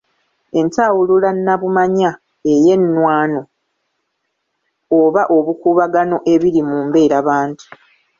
Entawulula nnabumanya ey’ennwano oba obukuubagano ebiri mu mbeerabantu.